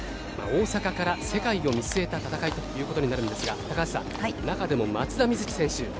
大阪から世界を見据えた戦いということになるんですが高橋さん、中でも松田瑞生選手